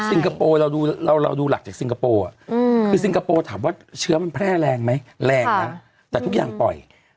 คโปร์เราดูหลักจากซิงคโปร์คือซิงคโปร์ถามว่าเชื้อมันแพร่แรงไหมแรงนะแต่ทุกอย่างปล่อย